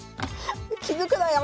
気付くなよ